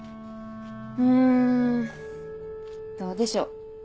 んどうでしょう。